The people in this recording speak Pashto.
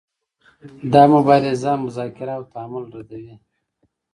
دا مبارزه مذاکره او تعامل ردوي.